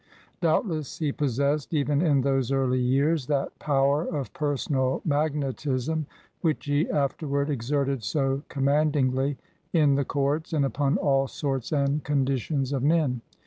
Doubtless he possessed, even in those early years, that power of personal mag netism which he afterward exerted so command ingly in the courts and upon all sorts and condi tions of men.